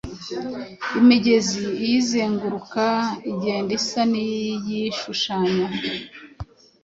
Imigezi iyizenguruka igenda isa n’iyishushanya.